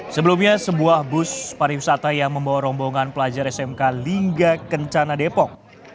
sebelumnya sebuah bus pariwisata yang membawa rombongan pelajar smk lingga kencana depok